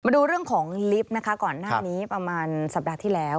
ดูเรื่องของลิฟต์นะคะก่อนหน้านี้ประมาณสัปดาห์ที่แล้ว